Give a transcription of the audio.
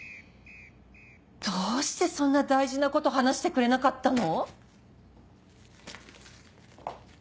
どうしてそんな大事なこと話してくれなかったの？